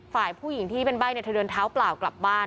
ฝ่ายผู้หญิงที่เป็นใบ้เนี่ยเธอเดินเท้าเปล่ากลับบ้าน